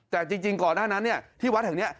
แต่จริงก่อนหน้านั้นที่วัดแห่งนี้